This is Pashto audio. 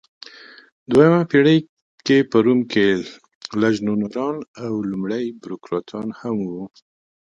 دویمه پېړۍ کې په روم کې لژنونران او لومړۍ بوروکراتان هم وو.